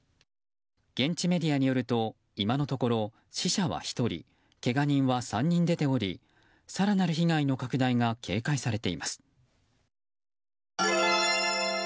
現地メディアによると今のところ死者は１人、けが人は３人出ており更なる被害の拡大が懸念されています。